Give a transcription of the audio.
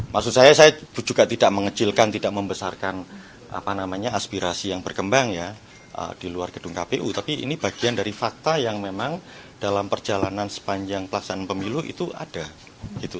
maksud saya saya juga tidak mengecilkan tidak membesarkan aspirasi yang berkembang ya di luar gedung kpu tapi ini bagian dari fakta yang memang dalam perjalanan sepanjang pelaksanaan pemilu itu ada gitu